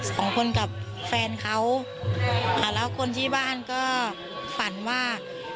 สองคนกับแฟนเขาอ่าแล้วคนที่บ้านก็ฝันว่า